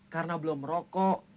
karena belum rokok